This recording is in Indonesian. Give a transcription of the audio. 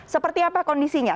seperti apa kondisinya